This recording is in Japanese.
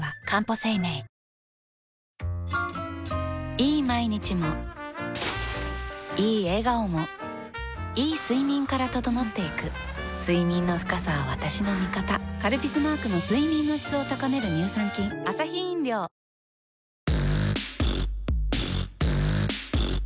いい毎日もいい笑顔もいい睡眠から整っていく睡眠の深さは私の味方「カルピス」マークの睡眠の質を高める乳酸菌あらいらっしゃい。